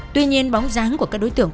tuy nhiên bóng dáng của các đối tượng